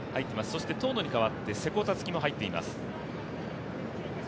そして遠野に変わって瀬古樹も入っています。